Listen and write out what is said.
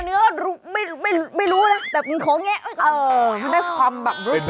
เจอเนื้อไม่รู้เลยนะแต่งิงโหงะมันได้ความรู้ใช่ไหมครับ